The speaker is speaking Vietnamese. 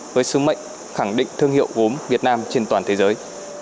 với sứ mệnh khẳng định thương hiệu gốm việt nam trên toàn thế giới